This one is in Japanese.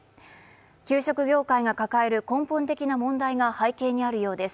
給食業界が抱える根本的な問題が背景にあるようです。